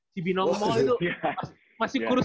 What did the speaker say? cibinong mall itu masih sangat kurus